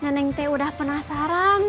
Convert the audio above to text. neneng t udah penasaran